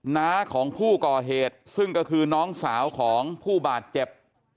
น้าของผู้ก่อเหตุซึ่งก็คือน้องสาวของผู้บาดเจ็บ